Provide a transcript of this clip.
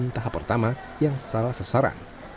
tahap pertama yang salah sasaran